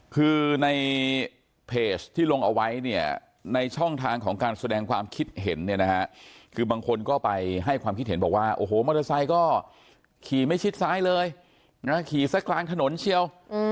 คือในเพจที่ลงเอาไว้เนี่ยในช่องทางของการแสดงความคิดเห็นเนี่ยนะฮะคือบางคนก็ไปให้ความคิดเห็นบอกว่าโอ้โหมอเตอร์ไซค์ก็ขี่ไม่ชิดซ้ายเลยนะขี่ซะกลางถนนเชียว